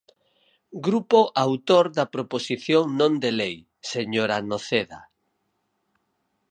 Grupo autor da proposición non de lei, señora Noceda.